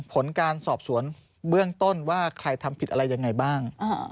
ผลการสอบสวนเบื้องต้นว่าใครทำผิดอะไรยังไงบ้าง